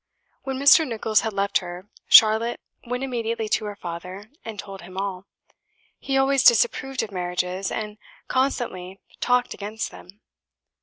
When Mr. Nicholls had left her, Charlotte went immediately to her father and told him all. He always disapproved of marriages, and constantly talked against them.